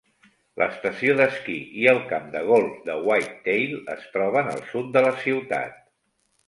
L'estació d'esquí i el camp de golf de Whitetail es troben al sud de la ciutat.